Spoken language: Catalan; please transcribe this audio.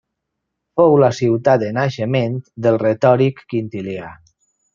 Fou la ciutat de naixement del retòric Quintilià.